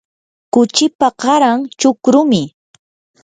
kuchipa qaran chukrumi.